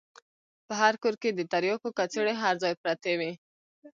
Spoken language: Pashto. په هر کور کښې د ترياکو کڅوړې هر ځاى پرتې وې.